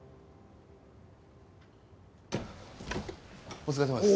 お疲れさまです。